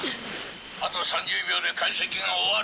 あと３０秒で解析が終わる。